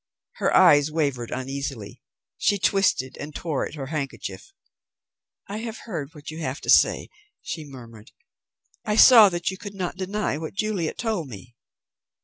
Her eyes wavered uneasily; she twisted and tore at her handkerchief. "I have heard what you have to say," she murmured. "I saw that you could not deny what Juliet told me."